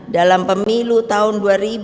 dalam pemilu tahun